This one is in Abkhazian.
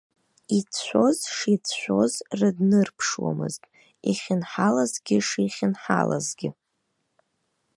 Ицәшәоз шицәшәоз рындырԥшуамызт, ихьынҳалазгьы шихьынҳалазгьы.